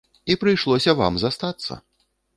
І прыйшлося вам застацца!